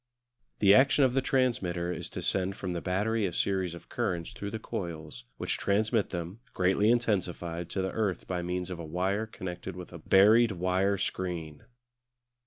The action of the transmitter is to send from the battery a series of currents through the coils, which transmit them, greatly intensified, to the earth by means of a wire connected with a buried wire screen.